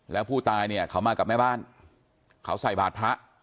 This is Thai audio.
แล้วผู้ตายเนี่ยเขามากับแม่บ้านเขาใส่บาทพระ